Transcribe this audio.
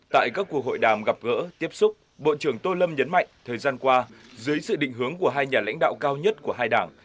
tại các cuộc hội đàm gặp gỡ tiếp xúc bộ trưởng tô lâm nhấn mạnh thời gian qua dưới sự định hướng của hai nhà lãnh đạo cao nhất của hai đảng